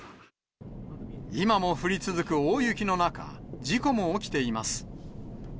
今も降り続く大雪の中、事故も起きています。